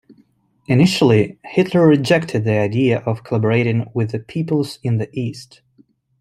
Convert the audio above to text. Initially, Hitler rejected the idea of collaborating with the peoples in the East.